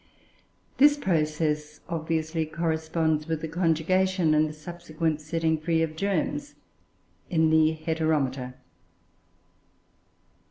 This process obviously corresponds with the conjugation and subsequent setting free of germs in the Heteromita.